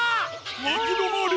いきどまり！